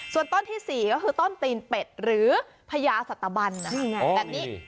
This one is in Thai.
ส่วนต้นที่๔ก็คือต้นตีนเป็ดหรือพญาสตบันนะฮะนี่ไงอ๋อนี่